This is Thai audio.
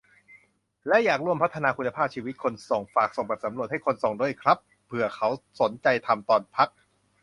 และอยากร่วมพัฒนาคุณภาพชีวิตคนส่ง - ฝากส่งแบบสำรวจ ให้คนส่งด้วยครับ เผื่อเขาสนใจทำตอนพัก